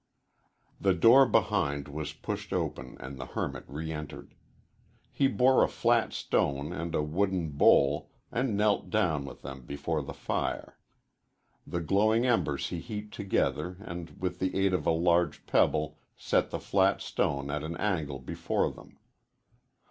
The door behind was pushed open and the hermit re entered. He bore a flat stone and a wooden bowl, and knelt down with them before the fire. The glowing embers he heaped together and with the aid of a large pebble set the flat stone at an angle before them.